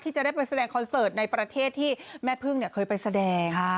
จะได้ไปแสดงคอนเสิร์ตในประเทศที่แม่พึ่งเคยไปแสดง